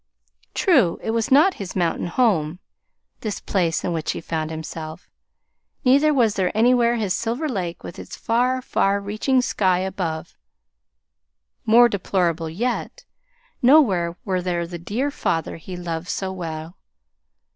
True, it was not his mountain home this place in which he found himself; neither was there anywhere his Silver Lake with its far, far reaching sky above. More deplorable yet, nowhere was there the dear father he loved so well.